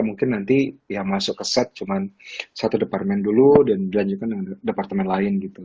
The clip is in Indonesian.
mungkin nanti ya masuk ke set cuma satu departemen dulu dan dilanjutkan dengan departemen lain gitu